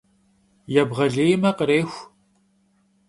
Yêbğelêyme — khrêxu.